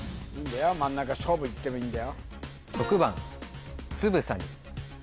真ん中勝負いってもいいんだよ